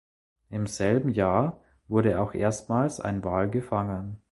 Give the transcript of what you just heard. Im selben Jahr wurde auch erstmals ein Wal gefangen.